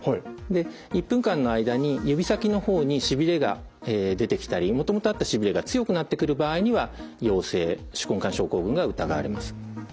で１分間の間に指先の方にしびれが出てきたりもともとあったしびれが強くなってくる場合には陽性手根管症候群が疑われます。